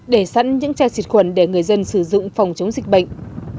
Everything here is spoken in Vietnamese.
để sẵn những chai xịt khuẩn để người dân sử dụng phòng chống dịch bệnh